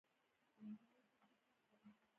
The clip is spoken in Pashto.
اوس پوښتنه داده چي انسان ولي مدني ژوند ته داخليږي؟